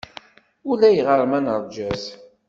Ulayɣer ma neṛja-t.